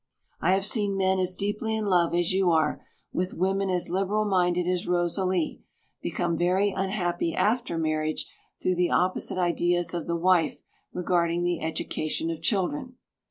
I have seen men as deeply in love as you are, with women as liberal minded as Rosalie, become very unhappy after marriage through the opposite ideas of the wife regarding the education of children.